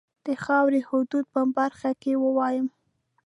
د خاوري حدودو په برخه کې ووایم.